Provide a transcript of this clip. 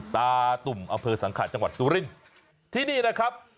ตุ่มอำเภอสังขาจังหวัดสุรินทร์ที่นี่นะครับ